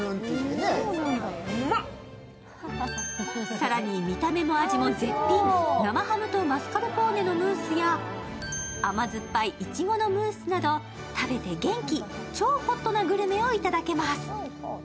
更に、見た目も味も絶品、生ハムとマスカルポーネのムースや甘酸っぱいイチゴのムースなど、食べて元気、超ホットなグルメをいただけます。